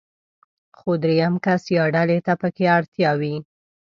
خو درېم کس يا ډلې ته پکې اړتيا وي.